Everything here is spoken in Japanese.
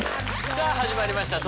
さあ始まりました